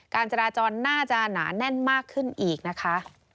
การจราจรน่าจะหนาแน่นมากขึ้นอีกนะคะ